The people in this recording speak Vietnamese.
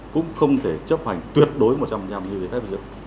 cũng không thể chấp hành tuyệt đối một trăm năm như vậy